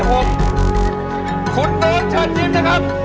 เพลงที่๖คุณโน้นเชิญยิ้มนะครับ